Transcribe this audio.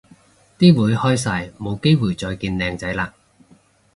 啲會開晒冇機會再見靚仔嘞